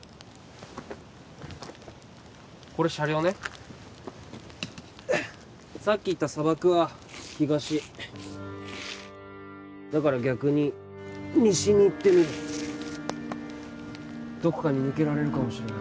これ車両ねさっき行った砂漠は東だから逆に西に行ってみるどこかに抜けられるかもしれない